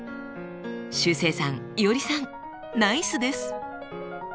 しゅうせいさんいおりさんナイスです！